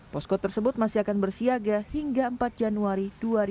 posko tersebut masih akan bersiaga hingga empat januari dua ribu dua puluh